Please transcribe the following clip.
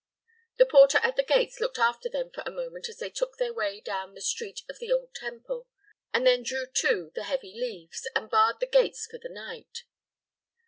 The porter at the gates looked after them for a moment as they took their way down the Street of the Old Temple, and then drew to the heavy leaves, and barred the gates for the night.